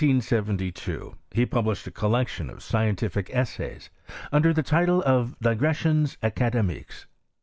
In the year 1772he published a collection of scien tific essays under the title of " Digressions Acad^ miqiies."